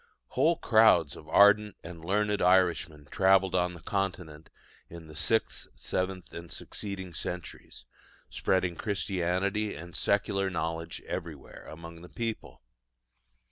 Whole crowds of ardent and learned Irishmen travelled on the Continent in the sixth, seventh, and succeeding centuries, spreading Christianity and secular knowledge everywhere among the people.